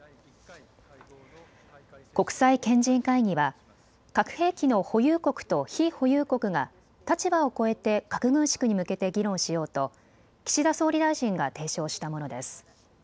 国際賢人会議は核兵器の保有国と非保有国が立場を超えて核軍縮に向けて議論しようと岸田総理大臣が提唱したものです。